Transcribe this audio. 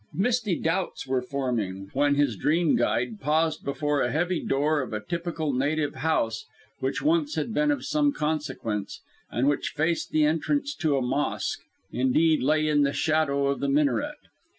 Misty doubts were forming, when his dream guide paused before a heavy door of a typical native house which once had been of some consequence, and which faced the entrance to a mosque, indeed lay in the shadow of the minaret.